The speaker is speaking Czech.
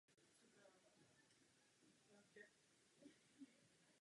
Na povrchu je pokryté drobnými šupinami.